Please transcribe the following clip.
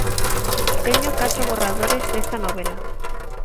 Teño catro borradores desta novela.